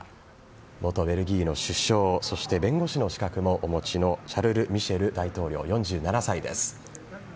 元ベルギーの首相そして弁護士の資格もお持ちのシャルル・ミシェル大統領４７歳です。